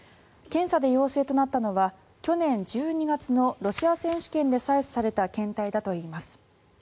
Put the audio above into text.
検査で陽性となったのは去年１２月のロシア選手権で採取された検体だといいます。